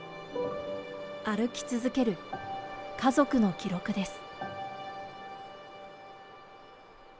歩き続ける家族の記録です。